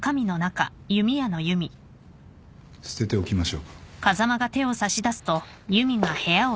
捨てておきましょうか。